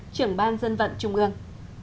trưởng ban dân vận trung ương